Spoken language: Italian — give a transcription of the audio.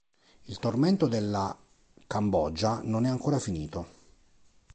Il tormento della Cambogia non è ancora finito.